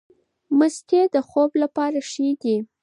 مستې د خوب لپاره ښې دي.